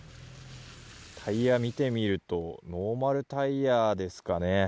タイヤ見てみるとノーマルタイヤですかね。